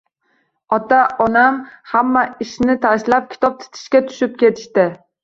Ota-onam hamma ishni tashlab, kitob titishga tushib ketishdi.